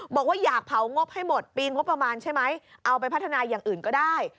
บอกว่าอยากเผางบให้หมดปีนงบประมาณใช่ไหมเอาไปพัฒนาอย่างอื่นก็ได้